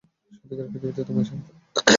সত্যিকারের পৃথিবীতে তোমায় স্বাগতম।